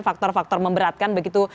faktor faktor memberatkan begitu